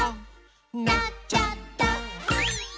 「なっちゃった！」